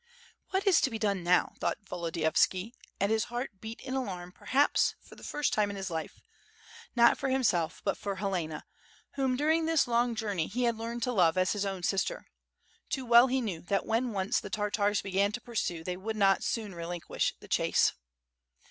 "What is to be done now?" thought Volodiyovski, and his heart beat in alarm, perhaps, for the first time in his life, not for himself, but for Helena, whom during this long journey he had learned to love as his own sister. Too well he knew that when once the Tartars began to pursue they would not soon relinquish the chase."